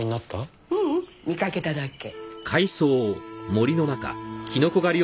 ううん見かけただけ。